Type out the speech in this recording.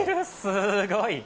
すごい！